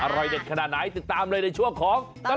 อร่อยเด็ดขนาดไหนติดตามเลยในช่วงของตลอด